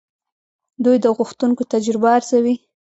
دوی د غوښتونکو تجربه ارزوي.